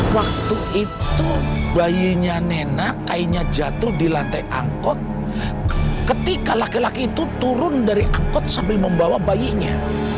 waktu itu bayinya nena kainnya jatuh di lantai angkot ketika laki laki itu turun dari angkot sambil membawa bayinya